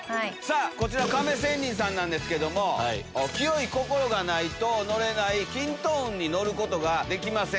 こちらの亀仙人さんなんですけども清い心がないと乗れない筋斗雲に乗ることができません。